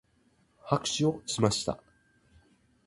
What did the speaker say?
拍手をしました。